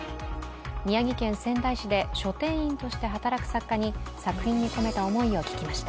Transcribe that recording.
宮城県仙台市で書店員として働く作家に作品に込めた思いを聞きました。